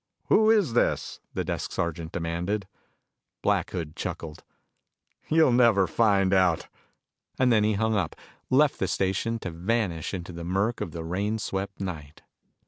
"Who is this?" the desk sergeant demanded. Black Hood chuckled. "You'll never find out!" And then he hung up, left the station to vanish into the murk of the rain swept night.